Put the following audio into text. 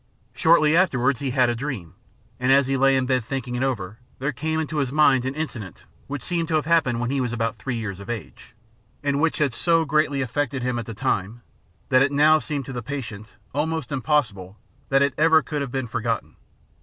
Shortly afterwards he had a dream, and as he lay in bed thinking it over there came into his mind an incident which seemed to have happened when he was about three years of age, and which had so greatly affected him at the time that it now seemed to the patient almost impossible that it could ever have been for gotten.